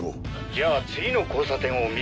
じゃあ次の交差点を右！